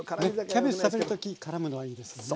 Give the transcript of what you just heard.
キャベツ食べる時からむのはいいですよね。